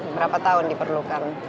berapa tahun diperlukan